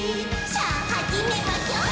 「さあ始めましょう！」